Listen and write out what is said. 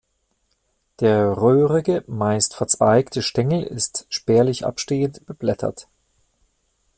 Der röhrige, meist verzweigte Stängel ist spärlich abstehend beblättert.